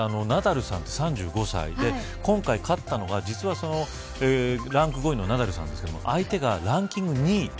ナダルさんって３５歳で今回、勝ったのがランク５位のナダルさんですけど相手がランキング２位。